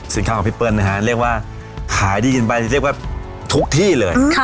สินค้าพี่เป้อลนะคะเรียกว่าขายได้จนไปทุกที่เลย